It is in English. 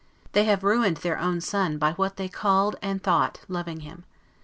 They have ruined their own son by what they called and thought loving him.